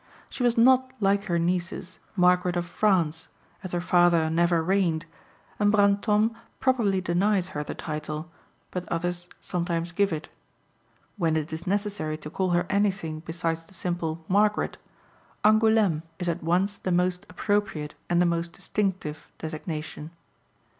She was not, like her nieces, Margaret of France, as her father never reigned, and Brantôme properly denies her the title, but others sometimes give it. When it is necessary to call her anything besides the simple "Margaret," Angoulême is at once the most appropriate and the most distinctive designation.